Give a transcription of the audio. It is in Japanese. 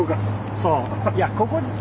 そう。